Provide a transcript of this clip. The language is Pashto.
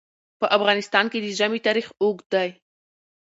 په افغانستان کې د ژمی تاریخ اوږد دی.